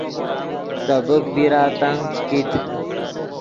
سبیک بیرا تنگ چے کیت